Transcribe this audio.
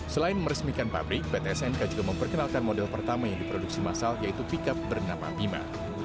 selain meresmikan pabrik pt snk juga memperkenalkan model pertama yang diproduksi masal yaitu pickup bernama bima